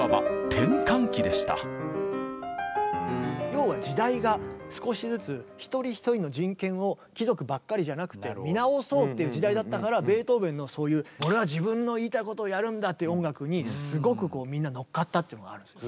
要は時代が少しずつ貴族ばっかりじゃなくて見直そうという時代だったからベートーベンのそういう俺は自分の言いたいことをやるんだっていう音楽にすごくみんな乗っかったっていうのがあるんですね。